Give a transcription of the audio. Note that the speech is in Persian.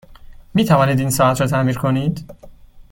می توانید این ساعت را تعمیر کنید؟